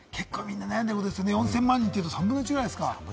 ４０００万人というと３分の１ぐらいですか？